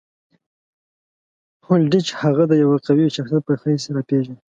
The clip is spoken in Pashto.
هولډیچ هغه د یوه قوي شخصیت په حیث راپېژني.